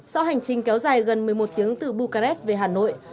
sau hành trình kéo dài gần một mươi một tiếng từ bugaret về hà nội